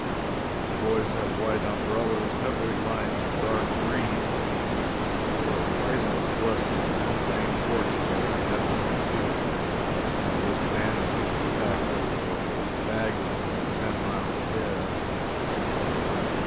The boys had white umbrellas heavily lined with dark green. They were a priceless blessing. I thanked fortune that I had one, too, notwithstanding it was packed up with the baggage and was ten miles ahead.